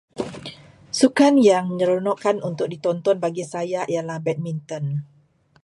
Sukan yang menyeronokkan untuk ditonton bagi saya ialah badminton.